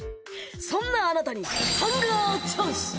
そんなあなたにハンガーチャンス！